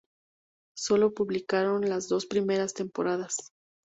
Solo publicaron las dos primeras temporadas.